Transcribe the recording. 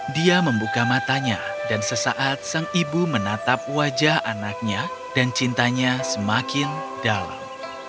dia membuka matanya dan sesaat sang ibu menatap wajah anaknya dan cintanya semakin dalam